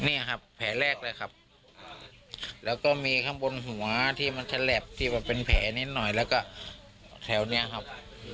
นี่ครับแผลแรกเลยครับแล้วก็มีข้างบนหัวที่มันฉลับที่ว่าเป็นแผลนิดหน่อยแล้วก็แถวนี้ครับ